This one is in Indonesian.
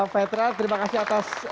federal terima kasih atas